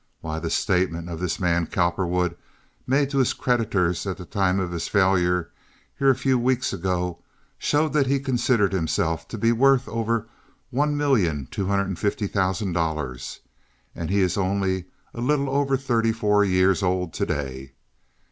Why, the statement of this man Cowperwood made to his creditors at the time of his failure here a few weeks ago showed that he considered himself to be worth over one million two hundred and fifty thousand dollars, and he is only a little over thirty four years old to day.